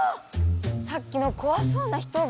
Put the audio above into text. さっきのこわそうな人が？